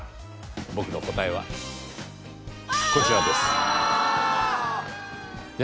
僕の答えはこちらです。